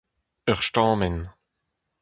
Ur stammenn !